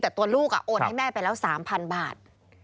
แต่ตัวลูกโอนให้แม่ไปแล้ว๓๐๐๐บาท